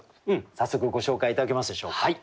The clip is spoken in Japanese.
早速ご紹介頂けますでしょうか。